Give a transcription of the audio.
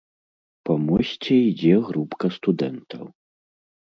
Па мосце ідзе групка студэнтаў.